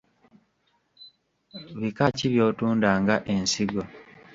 Bika ki by’otunda nga ensigo?